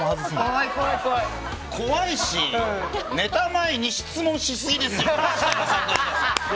怖いしネタ前に質問しすぎですよ！